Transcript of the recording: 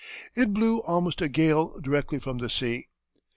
It "blew almost a gale directly from the sea.